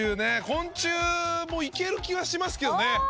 昆虫もいける気はしますけどね。